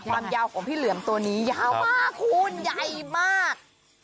ความยาวของพี่เหลือมตัวนี้ยาวมากคุณใหญ่มาก